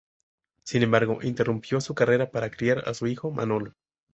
Sin embargo, interrumpió su carrera para criar a su hijo Manolo.